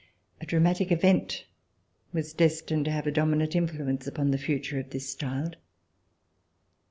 A dramatic event was destined to have a dominant influence upon the future of this child.